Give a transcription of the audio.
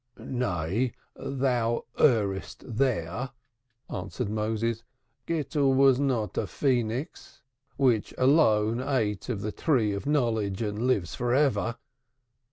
"Nay, thou errest there," answered Moses. "'Gittel was not a phoenix which alone ate not of the Tree of Knowledge and lives for ever.